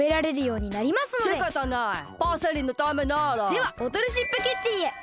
ではボトルシップキッチンへ。